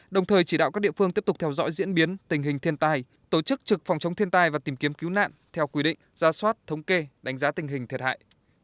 đồng thời chỉ đạo các địa phương tiếp tục theo dõi diễn biến tình hình thiên tai tổ chức trực phòng chống thiên tai và tìm kiếm cứu nạn theo quy định ra soát thống kê đánh giá tình hình thiệt hại